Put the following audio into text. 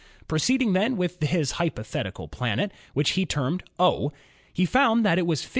Proceeding then with his hypothetical planet, which he termed "O," he found that it was 51.